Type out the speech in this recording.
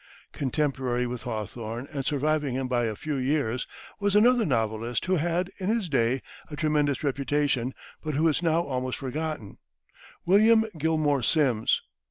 Contemporary with Hawthorne, and surviving him by a few years, was another novelist who had, in his day, a tremendous reputation, but who is now almost forgotten, William Gilmore Simms.